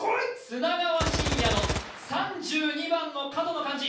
砂川信哉の３２番の角の漢字